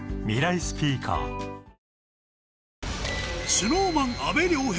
ＳｎｏｗＭａｎ・阿部亮平